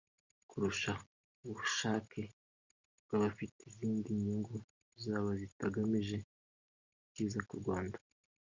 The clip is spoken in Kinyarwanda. kurusha ubushake bw’abafite izindi nyungu zabo zitagamije icyiza ku Rwanda